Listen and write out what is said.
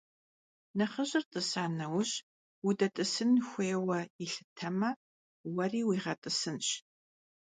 Nexhıjır t'ısa neuj, vudet'ı sıp xheu yilhıteme, vueri vuiğet'ısınş.